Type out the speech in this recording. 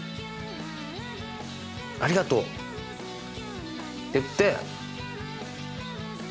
「ありがとう」って言って。